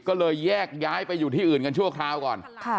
ก็เลยแยกย้ายไปอยู่ที่อื่นกันชั่วคราวก่อน